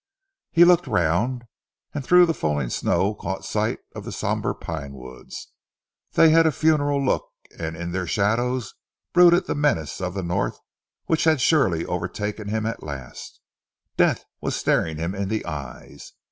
He looked round, and through the falling snow caught sight of the sombre pinewoods. They had a funereal look, and in their shadows brooded the menace of the North, which had surely overtaken him at last. Death was staring him in the eyes.